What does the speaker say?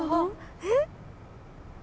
えっ？